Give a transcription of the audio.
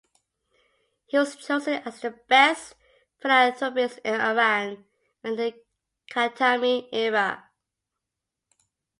He was chosen as the best philanthropist in Iran in the Khatami era.